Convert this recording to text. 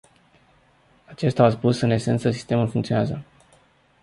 Acesta a spus că, în esență, sistemul funcționează.